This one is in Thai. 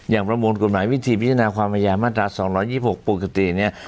ประมวลกฎหมายวิธีพิจารณาความพยายามมาตรา๒๒๖ปกติเนี่ย